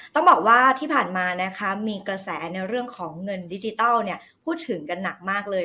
ต้องบอกว่าที่ผ่านมานะคะมีกระแสในเรื่องของเงินดิจิทัลพูดถึงกันหนักมากเลย